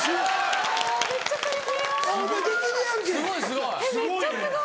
すごいね！